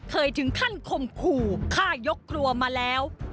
เคยถึงขั้นคมขู่ฆ่ายกครัวมาแล้ว